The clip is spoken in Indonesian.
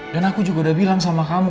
dan aku juga udah bilang sama kamu